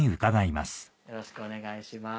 よろしくお願いします。